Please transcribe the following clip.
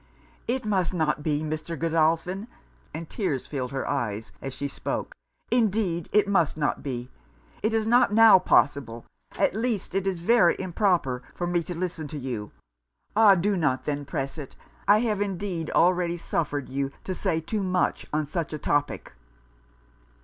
'It must not be, Mr. Godolphin!' (and tears filled her eyes as she spoke) 'Indeed it must not be! It is not now possible, at least it is very improper, for me to listen to you. Ah! do not then press it. I have indeed already suffered you to say too much on such a topic.'